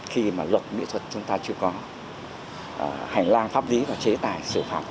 khi mà luật nghệ thuật chúng ta chưa có hành lang pháp lý và chế tài xử phạt